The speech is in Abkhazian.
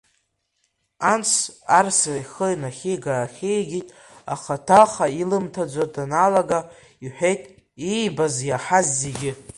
Анс, арс ихы нахига-аахигеит, аха ҭаха илымҭаӡо даналага, — иҳәеит иибаз, иаҳаз зегьы.